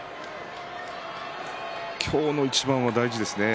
今日の一番が大事ですね。